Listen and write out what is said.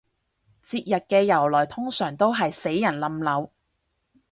節日嘅由來通常都係死人冧樓